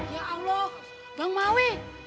ya allah bang mawi